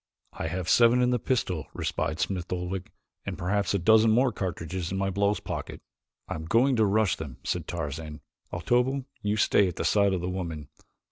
"I have seven in the pistol," replied Smith Oldwick, "and perhaps a dozen more cartridges in my blouse pocket." "I'm going to rush them," said Tarzan. "Otobu, you stay at the side of the woman.